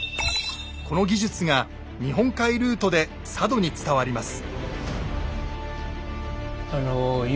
この技術が日本海ルートで佐渡に伝わります。